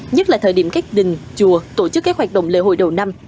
nhất là thời điểm các đình chùa tổ chức các hoạt động lễ hội đầu năm